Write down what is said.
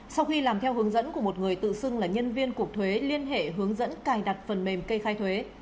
sau khi làm theo hướng dẫn của một người tự xưng là nhân viên cục thuế liên hệ hướng dẫn cài đặt phần mềm kê khai thuế